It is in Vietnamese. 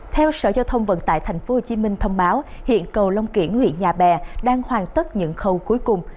theo sở giao thông vận tải tp hcm thông báo hiện cầu long kiển huyện nhà bè đang hoàn tất những khâu cuối cùng